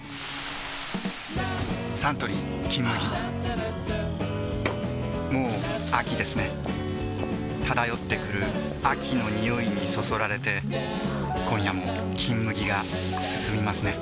サントリー「金麦」もう秋ですね漂ってくる秋の匂いにそそられて今夜も「金麦」がすすみますね